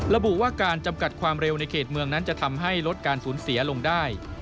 ระบุว่าการจำกัดความเร็วในเขตเมืองนั้นจะทำให้ลดการสูญเสียลงได้